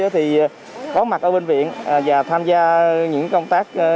tôi thì có mặt ở bệnh viện và tham gia những công tác chuyên môn này